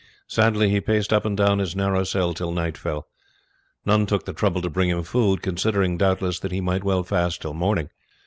Sadly he paced up and down his narrow cell till night fell. None took the trouble to bring him food considering, doubtless, that he might well fast till morning.